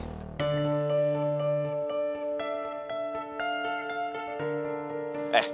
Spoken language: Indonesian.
lo tuh baju apa cowo sih